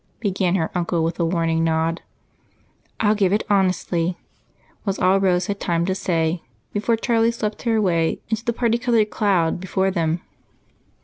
began her uncle with a warning nod. "I'll give it honestly," was all Rose had time to say before Charlie swept her away into the particolored cloud before them.